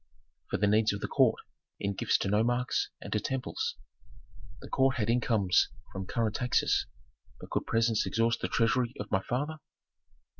"For the needs of the court, in gifts to nomarchs and to temples." "The court had incomes from current taxes. But could presents exhaust the treasury of my father?"